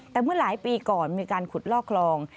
แต่เมื่อหลายปีก่อนมีการขุดลอกคลอง